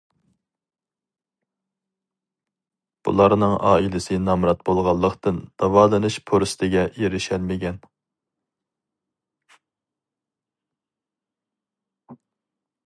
بۇلارنىڭ ئائىلىسى نامرات بولغانلىقتىن داۋالىنىش پۇرسىتىگە ئېرىشەلمىگەن.